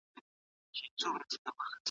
سفیرانو به رسمي غونډي سمبالولې.